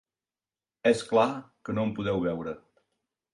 És clar que no em podeu veure.